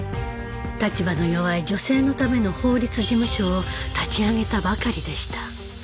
立場の弱い女性のための法律事務所を立ち上げたばかりでした。